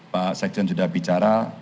pak sekjen sudah bicara